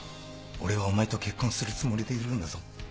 俺はお前と結婚するつもりでいるんだぞ。